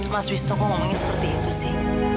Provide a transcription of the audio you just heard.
mas wisto kok ngomongin seperti itu sih